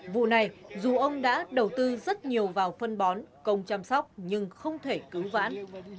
vụ này dù ông đã đầu tư rất nhiều vào phân bón công chăm sóc nhưng không thể cứu vãn